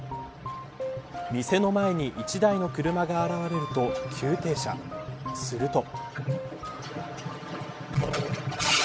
店の前に１台の車が現れると急停車すると。